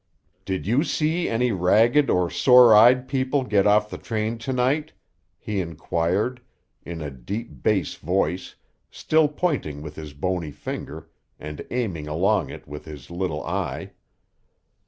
"Did you see any ragged or sore eyed people get off the train to night?" he inquired, in a deep bass voice, still pointing with his bony finger, and aiming along it with his little eye.